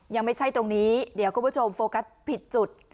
ยังไม่ใช่ตรงนี้เดี๋ยวคุณผู้ชมโฟกัสผิดจุด